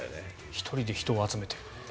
１人で人を集めている。